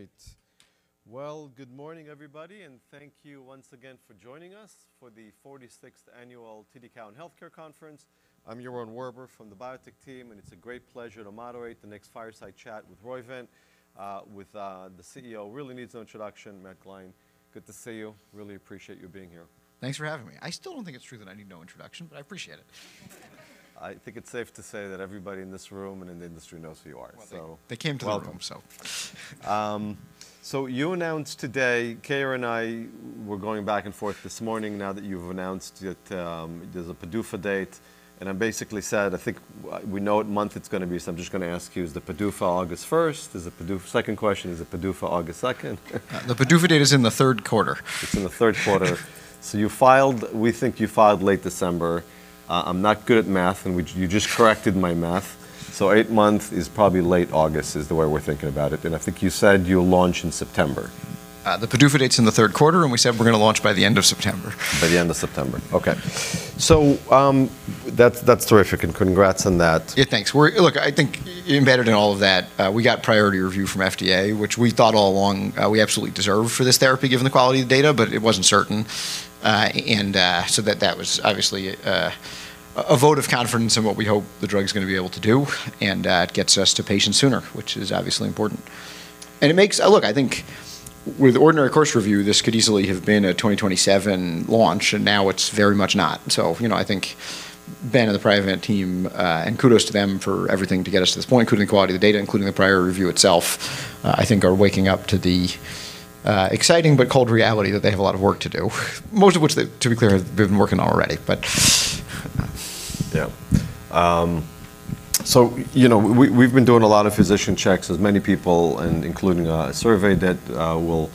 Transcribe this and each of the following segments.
All right. Well, good morning, everybody. Thank you once again for joining us for the 46th Annual TD Cowen Healthcare Conference. I'm Yaron Werber from the Biotech team. It's a great pleasure to moderate the next fireside chat with Roivant, with the CEO, really needs no introduction, Matt Gline. Good to see you. Really appreciate you being here. Thanks for having me. I still don't think it's true that I need no introduction. I appreciate it. I think it's safe to say that everybody in this room and in the industry knows who you are. Well, they came to the room, so. You announced today, Kayar and I were going back and forth this morning now that you've announced that, there's a PDUFA date, I basically said, I think we know what month it's gonna be, I'm just gonna ask you, is the PDUFA August 1st? Second question, is the PDUFA August 2nd? The PDUFA date is in the Q3. It's in the Q3. You filed... We think you filed late December. I'm not good at math, and you just corrected my math. Eight months is probably late August, is the way we're thinking about it. I think you said you'll launch in September. The PDUFA date's in the Q3, and we said we're gonna launch by the end of September. By the end of September. Okay. That's terrific, and congrats on that. Yeah. Thanks. Look, I think embedded in all of that, we got priority review from FDA, which we thought all along, we absolutely deserve for this therapy given the quality of data, but it wasn't certain. That, that was obviously a vote of confidence in what we hope the drug's gonna be able to do, it gets us to patients sooner, which is obviously important. Look, I think with ordinary course review, this could easily have been a 2027 launch, and now it's very much not. you know, I think Ben and the Priovant team, and kudos to them for everything to get us to this point, including the quality of the data, including the priority review itself, I think are waking up to the exciting but cold reality that they have a lot of work to do, most of which they, to be clear, they've been working on already. Yeah. You know, we've been doing a lot of physician checks with many people and including a survey that we'll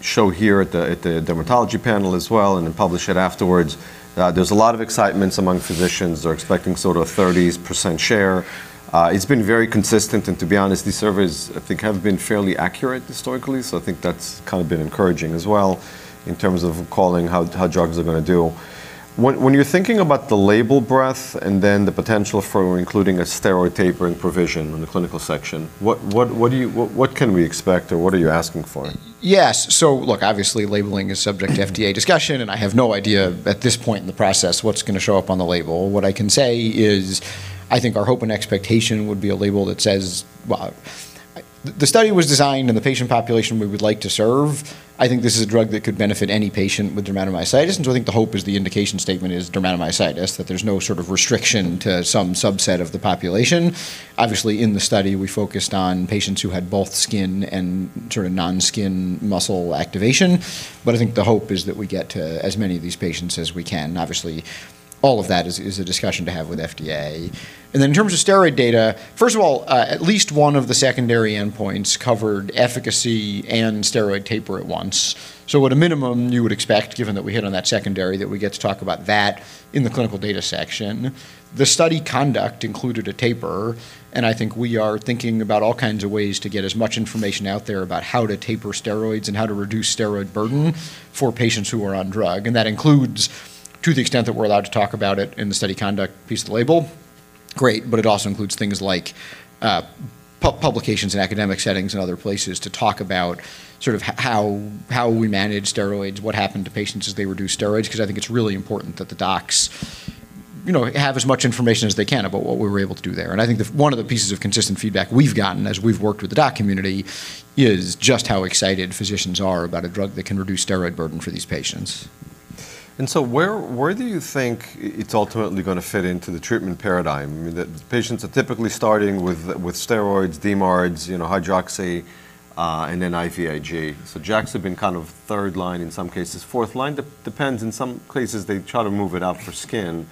show here at the dermatology panel as well and then publish it afterwards. There's a lot of excitements among physicians. They're expecting sort of 30% share. It's been very consistent, and to be honest, these surveys I think have been fairly accurate historically. I think that's kind of been encouraging as well in terms of calling how drugs are gonna do. When you're thinking about the label breadth and then the potential for including a steroid tapering provision in the clinical section, what do you what can we expect or what are you asking for? Yes. Look, obviously labeling is subject to FDA discussion. I have no idea at this point in the process what's gonna show up on the label. What I can say is I think our hope and expectation would be a label that says. Well, the study was designed in the patient population we would like to serve. I think this is a drug that could benefit any patient with dermatomyositis. I think the hope is the indication statement is dermatomyositis, that there's no sort of restriction to some subset of the population. Obviously, in the study, we focused on patients who had both skin and sort of non-skin muscle activation. I think the hope is that we get to as many of these patients as we can. Obviously, all of that is a discussion to have with FDA. In terms of steroid data, first of all, at least one of the secondary endpoints covered efficacy and steroid taper at once. At a minimum, you would expect, given that we hit on that secondary, that we get to talk about that in the clinical data section. The study conduct included a taper. I think we are thinking about all kinds of ways to get as much information out there about how to taper steroids and how to reduce steroid burden for patients who are on drug. That includes, to the extent that we're allowed to talk about it in the study conduct piece of the label, great. It also includes things like publications in academic settings and other places to talk about sort of how we manage steroids, what happened to patients as they reduce steroids, 'cause I think it's really important that the docs, you know, have as much information as they can about what we were able to do there. I think the... One of the pieces of consistent feedback we've gotten as we've worked with the doc community is just how excited physicians are about a drug that can reduce steroid burden for these patients. Where do you think it's ultimately gonna fit into the treatment paradigm? I mean, the patients are typically starting with steroids, DMARDs, you know, hydroxychloroquine, and then IVIG. JAKs have been kind of third line, in some cases fourth line. depends. In some cases, they try to move it out for skin.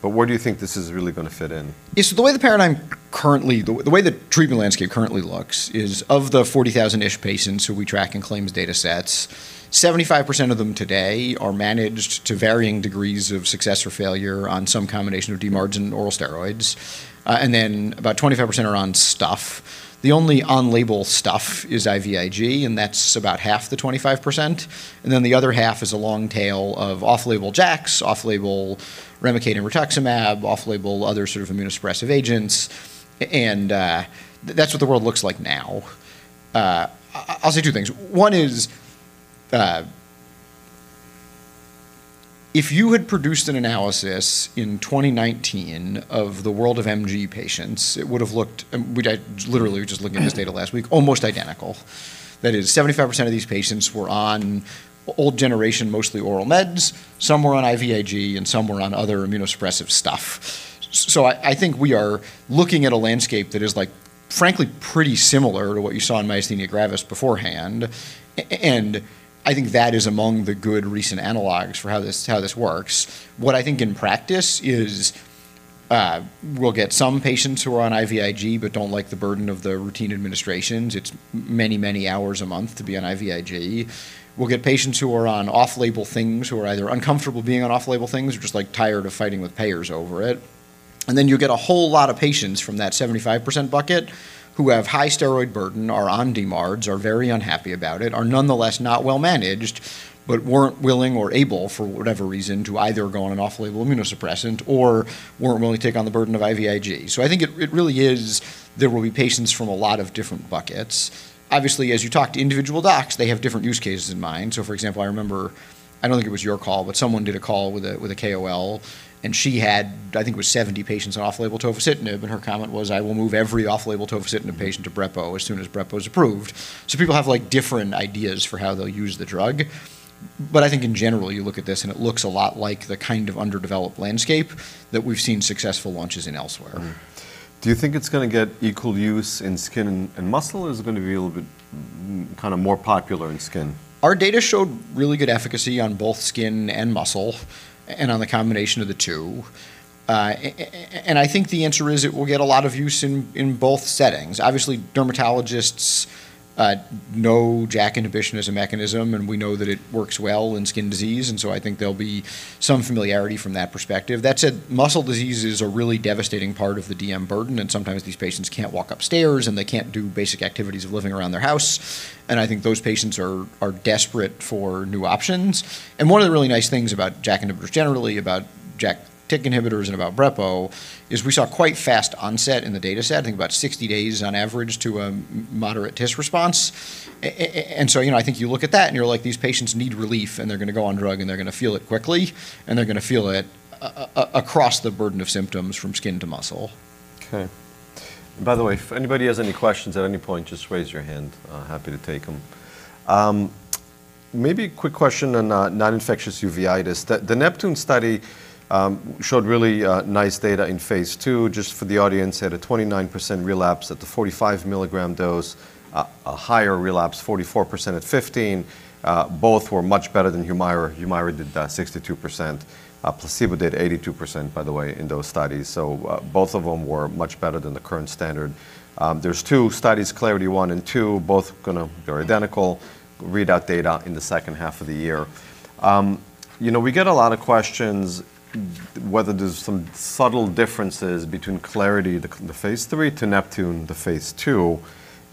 where do you think this is really gonna fit in? Yeah. The way the treatment landscape currently looks is of the 40,000-ish patients who we track in claims datasets, 75% of them today are managed to varying degrees of success or failure on some combination of DMARDs and oral steroids, and then about 25% are on stuff. The only on-label stuff is IVIG, and that's about half the 25%. Then the other half is a long tail of off-label JAKs, off-label Remicade and rituximab, off-label other sort of immunosuppressive agents, and that's what the world looks like now. I'll say two things. One is, if you had produced an analysis in 2019 of the world of MG patients, it would have looked, we literally were just looking at this data last week, almost identical. That is 75% of these patients were on old generation, mostly oral meds. Some were on IVIG, and some were on other immunosuppressive stuff. So I think we are looking at a landscape that is, like, frankly pretty similar to what you saw in myasthenia gravis beforehand, and I think that is among the good recent analogs for how this works. What I think in practice is, we'll get some patients who are on IVIG but don't like the burden of the routine administrations. It's many hours a month to be on IVIG. We'll get patients who are on off-label things who are either uncomfortable being on off-label things or just, like, tired of fighting with payers over it. Then you get a whole lot of patients from that 75% bucket who have high steroid burden, are on DMARDs, are very unhappy about it, are nonetheless not well managed, but weren't willing or able, for whatever reason, to either go on an off-label immunosuppressant or weren't willing to take on the burden of IVIG. I think it really is there will be patients from a lot of different buckets. Obviously, as you talk to individual docs, they have different use cases in mind. For example, I remember... I don't think it was your call, but someone did a call with a KOL, and she had, I think it was 70 patients on off-label tofacitinib, and her comment was, "I will move every off-label tofacitinib patient to brepo as soon as brepo is approved." People have, like, different ideas for how they'll use the drug. I think in general, you look at this and it looks a lot like the kind of underdeveloped landscape that we've seen successful launches in elsewhere. Do you think it's gonna get equal use in skin and muscle, or is it gonna be a little bit kind of more popular in skin? Our data showed really good efficacy on both skin and muscle and on the combination of the two. I think the answer is it will get a lot of use in both settings. Obviously, dermatologists know JAK inhibition as a mechanism. We know that it works well in skin disease, so I think there'll be some familiarity from that perspective. That said, muscle disease is a really devastating part of the DM burden. Sometimes these patients can't walk upstairs and they can't do basic activities of living around their house. I think those patients are desperate for new options. One of the really nice things about JAK inhibitors generally, about TYK2/JAK1 inhibitors and about brepocitinib, is we saw quite fast onset in the dataset. I think about 60 days on average to a moderate TIS response. You know, I think you look at that and you're like, "These patients need relief, and they're gonna go on drug and they're gonna feel it quickly, and they're gonna feel it across the burden of symptoms from skin to muscle. Okay. By the way, if anybody has any questions at any point, just raise your hand. Happy to take them. Maybe a quick question on non-infectious uveitis. The NEPTUNE study showed really nice data in phase II. Just for the audience, it had a 29% relapse at the 45 milligram dose, a higher relapse, 44% at 15. Both were much better than Humira. Humira did 62%. Placebo did 82%, by the way, in those studies. Both of them were much better than the current standard. There's two studies, CLARITY-1 and 2, both They're identical. Read out data in the second half of the year. You know, we get a lot of questions whether there's some subtle differences between CLARITY, the phase III, to NEPTUNE, the phase II,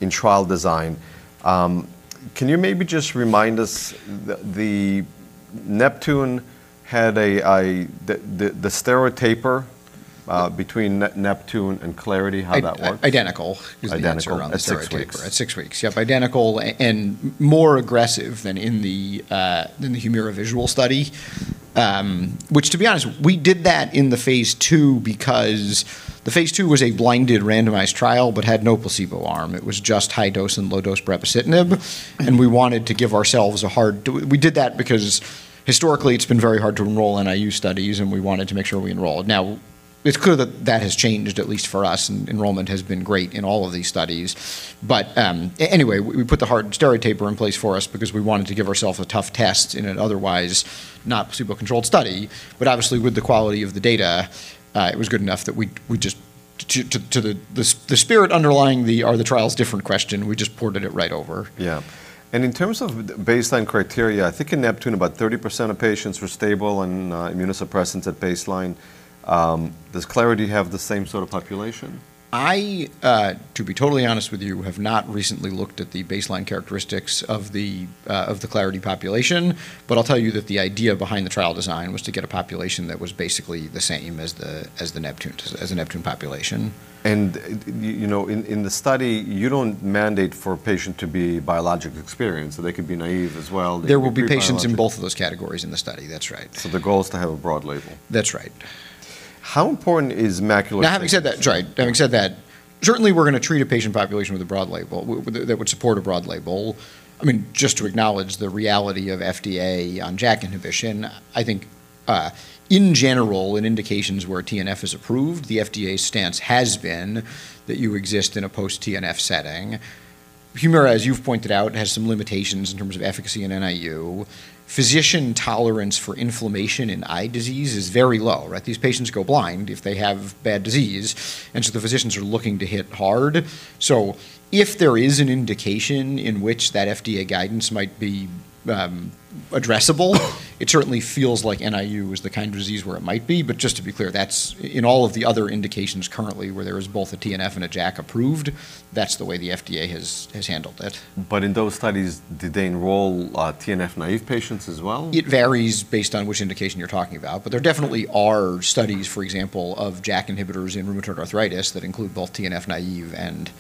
in trial design. Can you maybe just remind us the NEPTUNE had the steroid taper, between NEPTUNE and CLARITY, how that works? Identical is the answer on the steroid taper. Identical at six weeks. At six weeks. Yep, identical and more aggressive than in the Humira visual study. Which to be honest, we did that in the phase II because the phase II was a blinded randomized trial but had no placebo arm. It was just high dose and low dose brepocitinib, and we wanted to give ourselves a hard. We did that because historically it's been very hard to enroll in NIU studies, and we wanted to make sure we enrolled. Now, it's clear that that has changed, at least for us, and enrollment has been great in all of these studies. Anyway, we put the hard steroid taper in place for us because we wanted to give ourself a tough test in an otherwise not placebo-controlled study. Obviously with the quality of the data, it was good enough that we just To the spirit underlying the are the trials different question, we just ported it right over. In terms of baseline criteria, I think in NEPTUNE about 30% of patients were stable on immunosuppressants at baseline. Does CLARITY have the same sort of population? I, to be totally honest with you, have not recently looked at the baseline characteristics of the, of the CLARITY population. I'll tell you that the idea behind the trial design was to get a population that was basically the same as the NEPTUNE population. You know, in the study, you don't mandate for a patient to be biologic experienced, so they could be naive as well. There will be patients in both of those categories in the study. That's right. The goal is to have a broad label. That's right. How important is macular. That's right. Having said that, certainly we're gonna treat a patient population with a broad label. That would support a broad label. I mean, just to acknowledge the reality of FDA on JAK inhibition, I think, in general, in indications where TNF is approved, the FDA stance has been that you exist in a post-TNF setting. Humira, as you've pointed out, has some limitations in terms of efficacy in NIU. Physician tolerance for inflammation in eye disease is very low, right? These patients go blind if they have bad disease, the physicians are looking to hit hard. If there is an indication in which that FDA guidance might be addressable, it certainly feels like NIU is the kind of disease where it might be. just to be clear, that's in all of the other indications currently where there is both a TNF and a JAK approved, that's the way the FDA has handled it. In those studies, did they enroll, TNF naive patients as well? It varies based on which indication you're talking about, but there definitely are studies, for example, of JAK inhibitors in rheumatoid arthritis that include both TNF naive and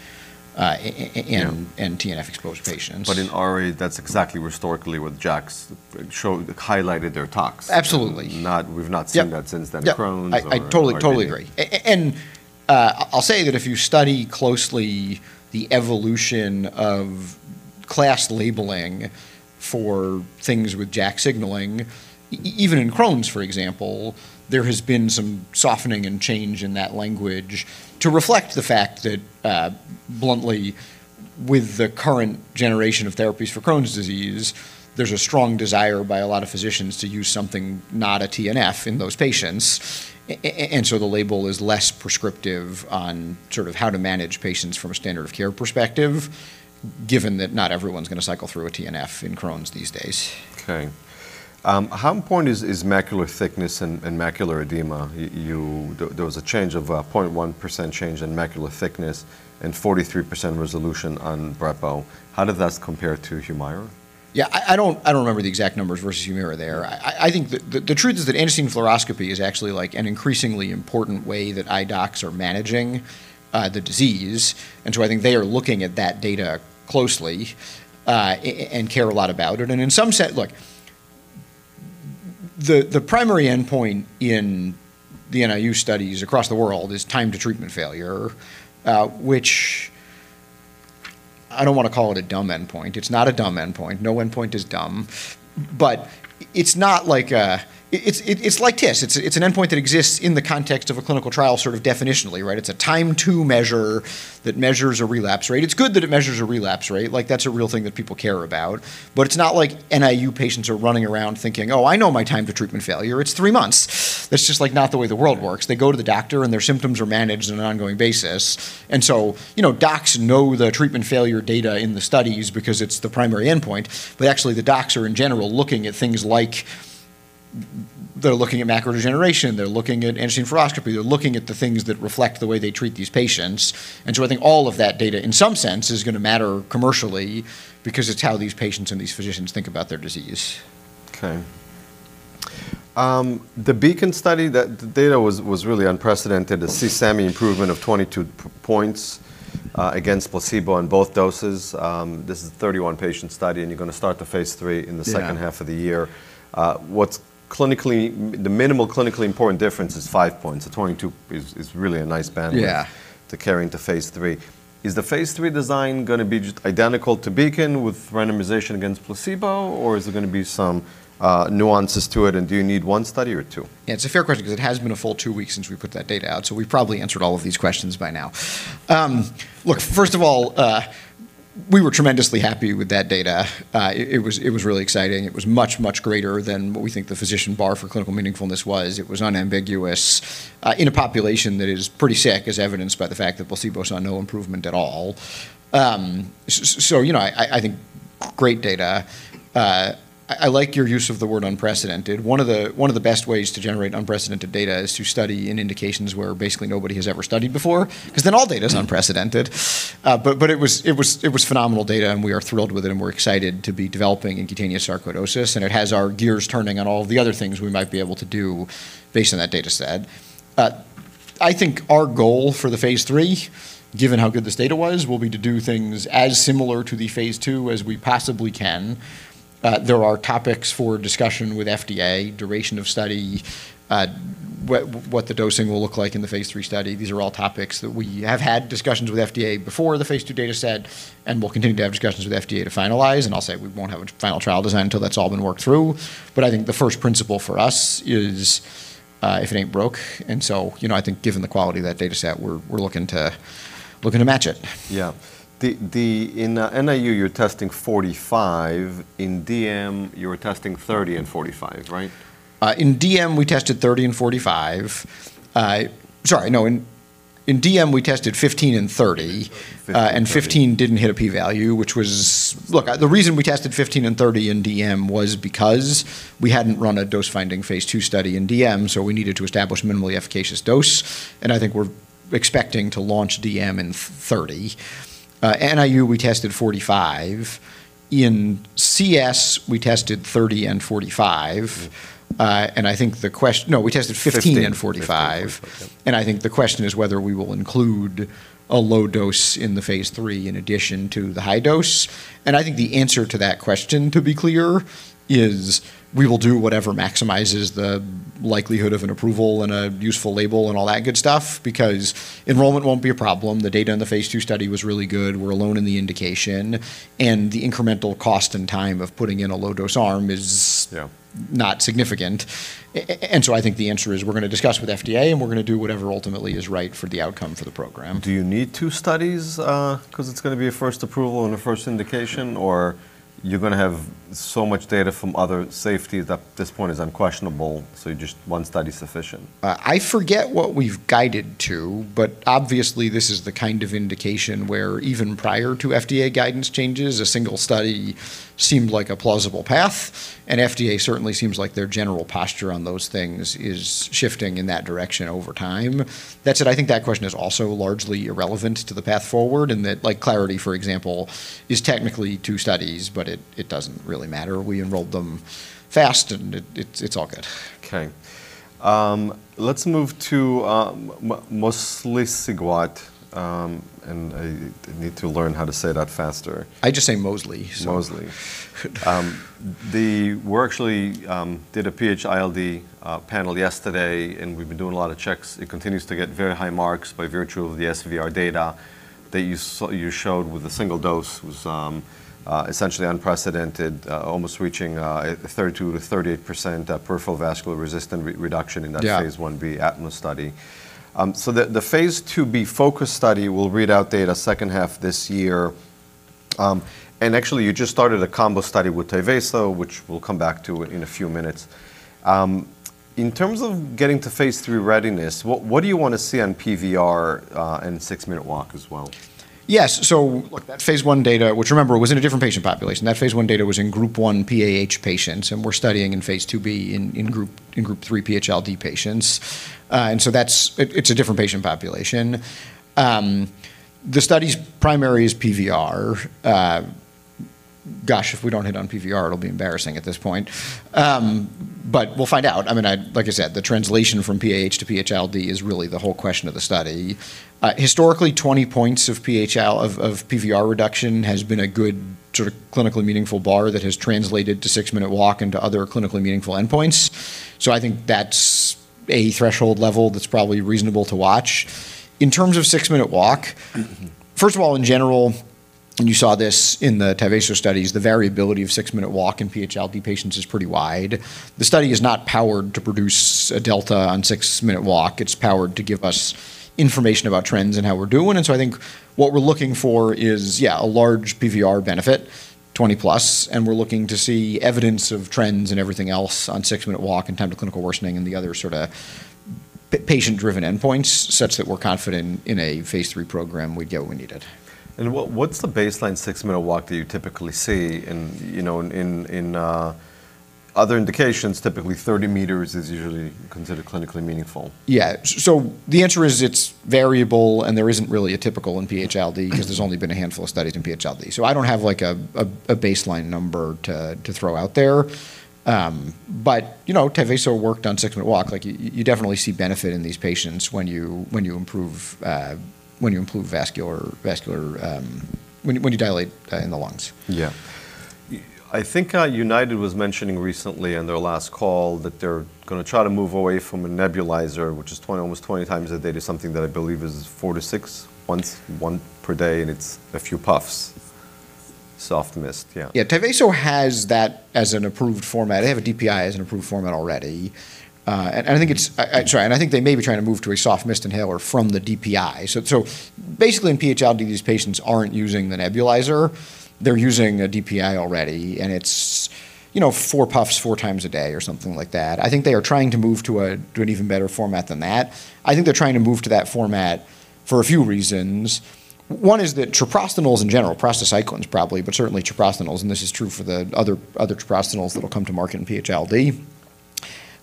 TNF exposed patients. In RA, that's exactly historically what JAKs highlighted their talks. Absolutely. We've not seen that since then in Crohn's or. Yep. No, I totally agree. I'll say that if you study closely the evolution of class labeling for things with JAK signaling, even in Crohn's, for example, there has been some softening and change in that language to reflect the fact that, bluntly, with the current generation of therapies for Crohn's disease, there's a strong desire by a lot of physicians to use something not a TNF in those patients. The label is less prescriptive on sort of how to manage patients from a standard of care perspective, given that not everyone's gonna cycle through a TNF in Crohn's these days. Okay. How important is macular thickness and macular edema? There was a change of 0.1% change in macular thickness and 43% resolution on brepo. How did that compare to Humira? I don't remember the exact numbers versus Humira there. I think the truth is that fluorescein angiography is actually like an increasingly important way that eye docs are managing the disease. I think they are looking at that data closely and care a lot about it. In some look, the primary endpoint in the NIU studies across the world is time to treatment failure, which I don't wanna call it a dumb endpoint. It's not a dumb endpoint. No endpoint is dumb. It's not like it's like this. It's an endpoint that exists in the context of a clinical trial sort of definitionally, right? It's a time to measure that measures a relapse rate. It's good that it measures a relapse rate, like that's a real thing that people care about. It's not like NIU patients are running around thinking, "Oh, I know my time to treatment failure. It's three months." That's just like not the way the world works. They go to the doctor, and their symptoms are managed on an ongoing basis. You know, docs know the treatment failure data in the studies because it's the primary endpoint. Actually, the docs are in general looking at things like. They're looking at macular degeneration, they're looking at fluorescein angiography, they're looking at the things that reflect the way they treat these patients. I think all of that data, in some sense, is gonna matter commercially because it's how these patients and these physicians think about their disease. The BEACON study, that data was really unprecedented to see CSAMI improvement of 22 points, against placebo on both doses. This is a 31 patient study, and you're gonna start the phase III in the second- Yeah Half of the year. The minimal clinically important difference is five points. The 22 is really a nice bandwidth. Yeah To carry into phase III. Is the phase III design gonna be just identical to BEACON with randomization against placebo, or is there gonna be some nuances to it, and do you need one study or two? Yeah, it's a fair question because it has been a full two weeks since we put that data out, so we've probably answered all of these questions by now. Look, first of all, we were tremendously happy with that data. It was really exciting. It was much greater than what we think the physician bar for clinical meaningfulness was. It was unambiguous in a population that is pretty sick, as evidenced by the fact that placebos saw no improvement at all. So, you know, I think great data. I like your use of the word unprecedented. One of the best ways to generate unprecedented data is to study in indications where basically nobody has ever studied before, 'cause then all data is unprecedented. But it was, it was, it was phenomenal data, and we are thrilled with it, and we're excited to be developing in cutaneous sarcoidosis, and it has our gears turning on all of the other things we might be able to do based on that data set. I think our goal for the phase three, given how good this data was, will be to do things as similar to the phase two as we possibly can. There are topics for discussion with FDA, duration of study, what the dosing will look like in the phase three study. These are all topics that we have had discussions with FDA before the phase two data set and will continue to have discussions with FDA to finalize, and I'll say we won't have a final trial design until that's all been worked through. I think the first principle for us is, if it ain't broke, and so, you know, I think given the quality of that data set, we're looking to match it. Yeah. In NIU, you're testing 45. In DM, you're testing 30 and 45, right? In DM, we tested 30 and 45. Sorry, no, in DM, we tested 15 and 30. 15 didn't hit a P value, which was... Look, the reason we tested 15 and 30 in DM was because we hadn't run a dose-finding phase II study in DM, so we needed to establish minimally efficacious dose, and I think we're expecting to launch DM in 30. NIU, we tested 45. In CS, we tested 30 and 45. Mm-hmm. No, we tested 15 and 45. Yeah. I think the question is whether we will include a low dose in the phase III in addition to the high dose. I think the answer to that question, to be clear, is we will do whatever maximizes the likelihood of an approval and a useful label and all that good stuff because enrollment won't be a problem. The data in the phase II study was really good. We're alone in the indication, and the incremental cost and time of putting in a low dose arm is. Yeah Not significant. I think the answer is we're gonna discuss with FDA, and we're gonna do whatever ultimately is right for the outcome for the program. Do you need two studies, 'cause it's gonna be a first approval and a first indication, or you're gonna have so much data from other safety that at this point is unquestionable, so just one study sufficient? I forget what we've guided to, but obviously, this is the kind of indication where even prior to FDA guidance changes, a single study seemed like a plausible path, and FDA certainly seems like their general posture on those things is shifting in that direction over time. That said, I think that question is also largely irrelevant to the path forward and that like CLARITY, for example, is technically two studies, but it doesn't really matter. We enrolled them fast, and it's all good. Okay. Let's move to mosliciguat. I need to learn how to say that faster. I just say mosli, so. Mosli. We actually did a PH-ILD panel yesterday. We've been doing a lot of checks. It continues to get very high marks by virtue of the SVR data that you showed with a single dose was essentially unprecedented, almost reaching 2%-38% peripheral vascular resistant reduction in that. Yeah phase Ib ATMOS study. The phase IIb PHocus study will read out data second half this year. Actually, you just started a combo study with TEV-574, which we'll come back to in a few minutes. In terms of getting to phase III readiness, what do you wanna see on PVR and six-minute walk as well? Yes. Look, that phase I data, which remember, was in a different patient population. That phase I data was in group 1 PAH patients, we're studying in phase IIb in group 3 PH-ILD patients. That's a different patient population. The study's primary is PVR. Gosh, if we don't hit on PVR, it'll be embarrassing at this point. We'll find out. I mean, like I said, the translation from PAH to PH-ILD is really the whole question of the study. Historically, 20 points of PVR reduction has been a good sort of clinically meaningful bar that has translated to six-minute walk into other clinically meaningful endpoints. I think that's a threshold level that's probably reasonable to watch. In terms of six-minute walk- Mm-hmm. First of all, in general, you saw this in the TEV-574 studies, the variability of six-minute walk in PH-ILD patients is pretty wide. The study is not powered to produce a delta on six-minute walk. It's powered to give us information about trends and how we're doing. I think what we're looking for is, yeah, a large PVR benefit, 20-plus, and we're looking to see evidence of trends and everything else on six-minute walk and time to clinical worsening and the other sorta patient-driven endpoints such that we're confident in a phase III program we'd get what we needed. What's the baseline six-minute walk that you typically see in, you know, in other indications, typically 30 meters is usually considered clinically meaningful. Yeah. the answer is it's variable, and there isn't really a typical in PH-ILD- Mm-hmm. 'Cause there's only been a handful of studies in PH-ILD. I don't have like a baseline number to throw out there. you know, TEV-574 worked on six-minute walk. Like, you definitely see benefit in these patients when you improve vascular. When you dilate in the lungs. I think, United was mentioning recently in their last call that they're gonna try to move away from a nebulizer, which is almost 20 times a day, to something that I believe is four to six one per day, and it's a few puffs. soft mist, yeah. Yeah. Teva has that as an approved format. They have a DPI as an approved format already. I think they may be trying to move to a soft mist inhaler from the DPI. Basically in PH-ILD, these patients aren't using the nebulizer. They're using a DPI already, and it's, you know, four puffs four times a day or something like that. I think they are trying to move to an even better format than that. I think they're trying to move to that format for a few reasons. One is that treprostinil is in general, prostacyclins probably, but certainly treprostinil, and this is true for the other treprostinils that'll come to market in PH-ILD.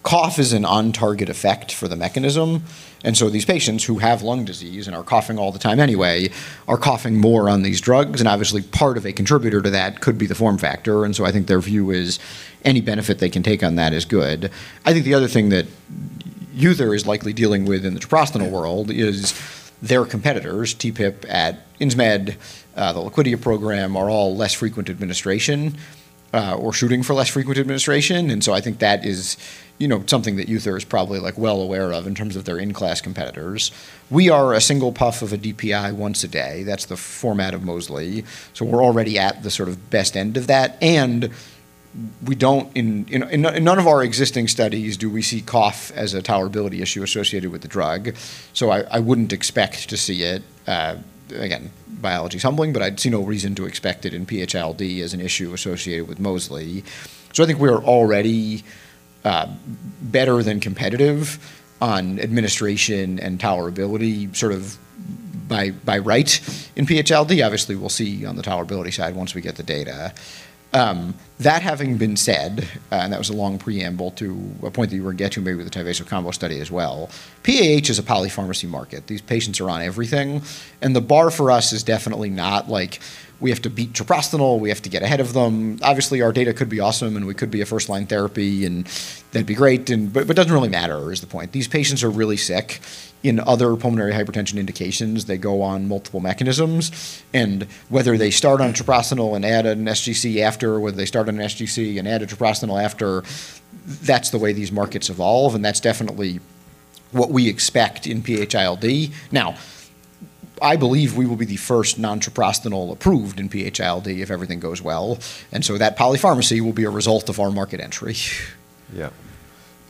Cough is an on-target effect for the mechanism, these patients who have lung disease and are coughing all the time anyway are coughing more on these drugs, and obviously part of a contributor to that could be the form factor. I think their view is any benefit they can take on that is good. I think the other thing that Uther is likely dealing with in the treprostinil world is their competitors, TPIP at Insmed, the Liquidia program, are all less frequent administration, or shooting for less frequent administration. I think that is, you know, something that Uther is probably, like, well aware of in terms of their in-class competitors. We are a single puff of a DPI once a day. That's the format of mosli. We're already at the sort of best end of that, and we don't in... In none of our existing studies do we see cough as a tolerability issue associated with the drug. I wouldn't expect to see it. Again, biology's humbling, but I'd see no reason to expect it in PH-ILD as an issue associated with mosli. I think we're already better than competitive on administration and tolerability sort of by right in PH-ILD. Obviously, we'll see on the tolerability side once we get the data. That having been said, that was a long preamble to a point that you were getting to maybe with the TEV-574 combo study as well. PAH is a polypharmacy market. These patients are on everything, and the bar for us is definitely not like we have to beat treprostinil, we have to get ahead of them. Our data could be awesome, and we could be a first-line therapy, and that'd be great. It doesn't really matter is the point. These patients are really sick. In other pulmonary hypertension indications, they go on multiple mechanisms, and whether they start on treprostinil and add an sGC after, or whether they start on an sGC and add a treprostinil after, that's the way these markets evolve, and that's definitely what we expect in PH-ILD. I believe we will be the first non-treprostinil approved in PH-ILD if everything goes well, that polypharmacy will be a result of our market entry. Yeah.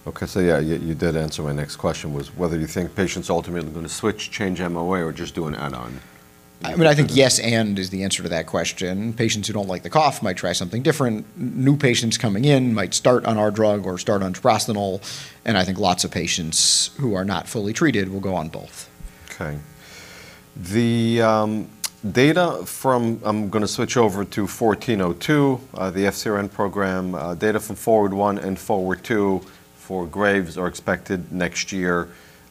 Okay. You did answer my next question, was whether you think patients ultimately are gonna switch, change MOA, or just do an add-on. I mean, I think "yes, and" is the answer to that question. Patients who don't like the cough might try something different. New patients coming in might start on our drug or start on treprostinil, I think lots of patients who are not fully treated will go on both. Okay. I'm gonna switch over to 1402, the FcRn program, data from FORWARD-1 and FORWARD-2 for Graves are expected next year.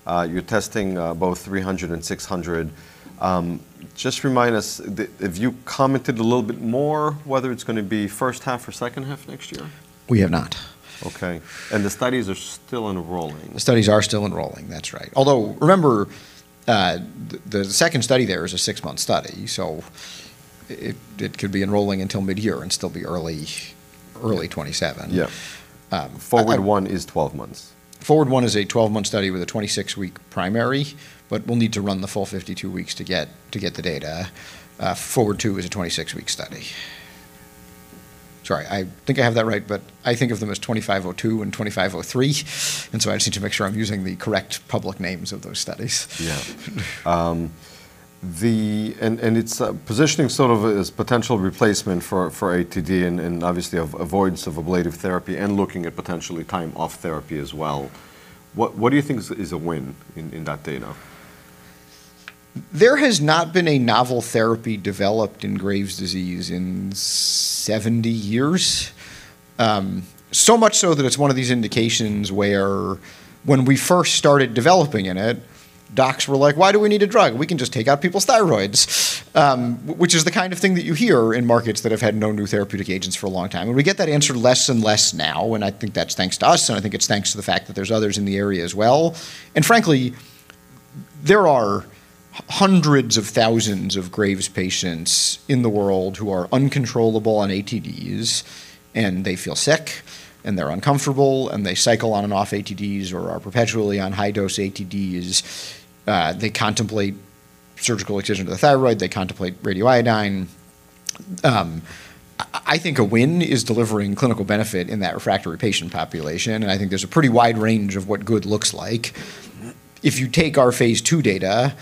You're testing both 300 and 600. Just remind us, Have you commented a little bit more whether it's gonna be first half or second half next year? We have not. Okay. The studies are still enrolling? The studies are still enrolling. That's right. Although, remember, the second study there is a six-month study, so it could be enrolling until midyear and still be early 2027. Yeah. Um. FORWARD-1 is 12 months. FORWARD-1 is a 12-month study with a 26-week primary, we'll need to run the full 52 weeks to get the data. FORWARD-2 is a 26-week study. Sorry, I think I have that right, I think of them as 25 oh 2 and 25 oh 3, I just need to make sure I'm using the correct public names of those studies. Yeah. It's positioning sort of as potential replacement for ATD and obviously avoidance of ablative therapy and looking at potentially time off therapy as well. What do you think is a win in that data? There has not been a novel therapy developed in Graves' disease in 70 years. So much so that it's one of these indications where when we first started developing in it, docs were like, "Why do we need a drug? We can just take out people's thyroids." Which is the kind of thing that you hear in markets that have had no new therapeutic agents for a long time. We get that answer less and less now, and I think that's thanks to us, and I think it's thanks to the fact that there's others in the area as well. Frankly, there are hundreds of thousands of Graves' patients in the world who are uncontrollable on ATDs, and they feel sick, and they're uncomfortable, and they cycle on and off ATDs or are perpetually on high-dose ATDs. They contemplate surgical excision to the thyroid, they contemplate radioiodine. I think a win is delivering clinical benefit in that refractory patient population, and I think there's a pretty wide range of what good looks like. If you take our phase II data,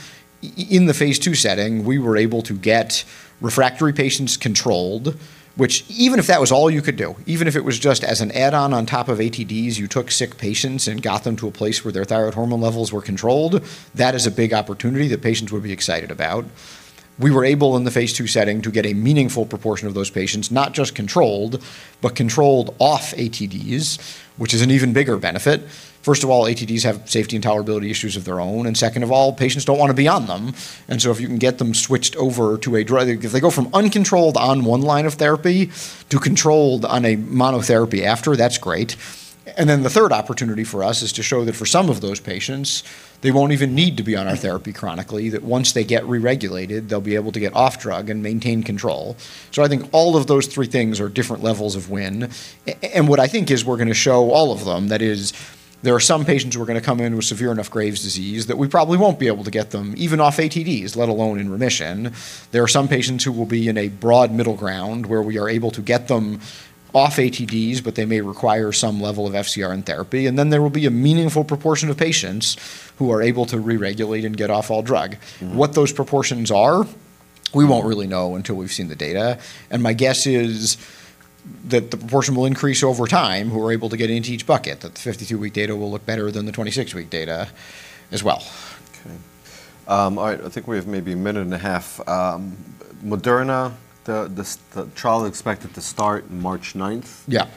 in the phase II setting, we were able to get refractory patients controlled, which even if that was all you could do, even if it was just as an add-on on top of ATDs, you took sick patients and got them to a place where their thyroid hormone levels were controlled, that is a big opportunity that patients would be excited about. We were able, in the phase II setting, to get a meaningful proportion of those patients not just controlled, but controlled off ATDs, which is an even bigger benefit. First of all, ATDs have safety and tolerability issues of their own. Second of all, patients don't wanna be on them. If you can get them switched over to a drug. If they go from uncontrolled on one line of therapy to controlled on a monotherapy after, that's great. The third opportunity for us is to show that for some of those patients, they won't even need to be on our therapy chronically, that once they get re-regulated, they'll be able to get off drug and maintain control. I think all of those three things are different levels of win. What I think is we're gonna show all of them, that is, there are some patients who are gonna come in with severe enough Graves' disease that we probably won't be able to get them even off ATDs, let alone in remission. There are some patients who will be in a broad middle ground, where we are able to get them off ATDs, but they may require some level of FCR in therapy. There will be a meaningful proportion of patients who are able to re-regulate and get off all drug. Mm-hmm. What those proportions are we won't really know until we've seen the data. My guess is that the proportion will increase over time, who are able to get into each bucket, that the 52-week data will look better than the 26-week data as well. I think we have maybe a minute and a half. Moderna, the trial expected to start March 9th. Yeah.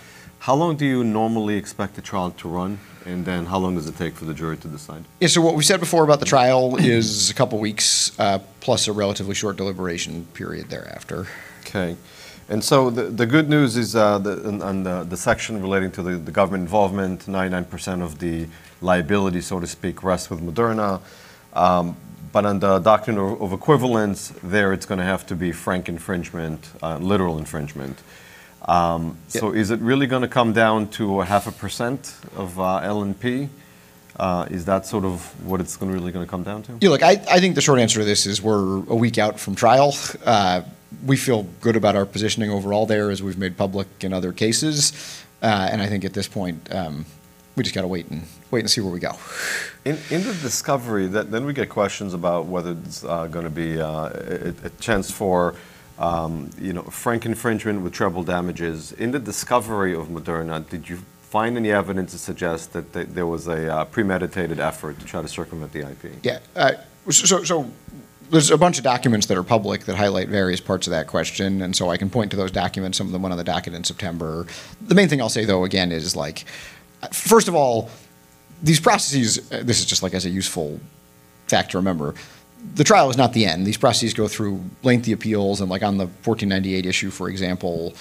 How long do you normally expect a trial to run? How long does it take for the jury to decide? Yeah, what we said before about the trial is a couple weeks, plus a relatively short deliberation period thereafter. Okay. the good news is, the, on the section relating to the government involvement, 99% of the liability, so to speak, rests with Moderna. under doctrine of equivalence, there it's gonna have to be frank infringement, literal infringement. Yeah Is it really gonna come down to a half a percent of LNP? Is that sort of what it's really gonna come down to? Yeah, look, I think the short answer to this is we're a week out from trial. We feel good about our positioning overall there, as we've made public in other cases. I think at this point, we just gotta wait and see where we go. In the discovery, then we get questions about whether it's gonna be a chance for, you know, frank infringement with treble damages. In the discovery of Moderna, did you find any evidence to suggest that there was a premeditated effort to try to circumvent the IP? Yeah. So there's a bunch of documents that are public that highlight various parts of that question, and so I can point to those documents. Some of them went under docket in September. The main thing I'll say though, again, is like, first of all, these processes, this is just, like, as a useful fact to remember. The trial is not the end. These processes go through lengthy appeals and, like, on the 1498 issue, for example,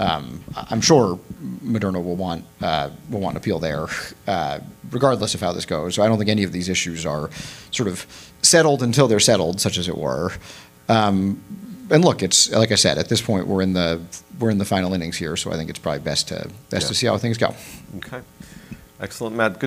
I'm sure Moderna will want to appeal there, regardless of how this goes. I don't think any of these issues are sort of settled until they're settled, such as it were. Look, it's... Like I said, at this point, we're in the final innings here, I think it's probably best to- Yeah Best to see how things go. Okay. Excellent, Matt.